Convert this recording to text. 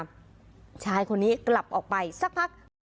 ชายคนนี้กลับออกไปสักพัก